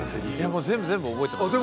もう全部全部覚えてますよ